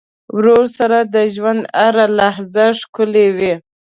ورور سره د ژوند هره لحظه ښکلي وي.